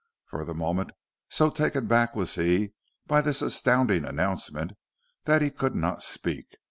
For the moment, so taken aback was he by this astounding announcement, that he could not speak.